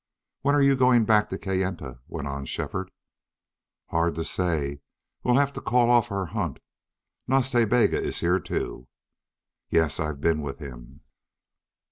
"When are you going back to Kayenta?" went on Shefford. "Hard to say. We'll have to call off our hunt. Nas Ta Bega is here, too." "Yes, I've been with him."